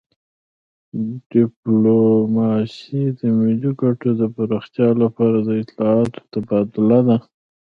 ډیپلوماسي د ملي ګټو د پراختیا لپاره د اطلاعاتو تبادله ده